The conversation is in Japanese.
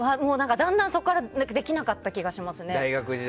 だんだん、そこからできなかった気がしますね。